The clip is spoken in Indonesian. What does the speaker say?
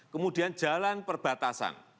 kemudian jalan perbatasan